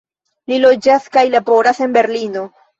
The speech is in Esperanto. Li loĝas kaj laboras en Berlino.